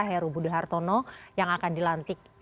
heru budihartono yang akan dilantik